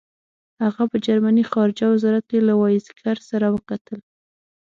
هغه په جرمني خارجه وزارت کې له وایزیکر سره وکتل.